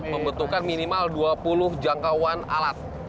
membutuhkan minimal dua puluh jangkauan alat